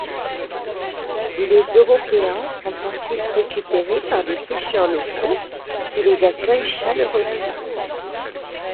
Les Européens sont ensuite récupérés par des pêcheurs locaux qui les accueillent chaleureusement.